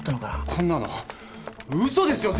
こんなの嘘ですよ絶対！